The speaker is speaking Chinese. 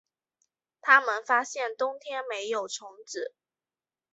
他们发现冬天没有虫子